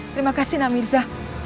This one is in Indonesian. terima kasih nak mirza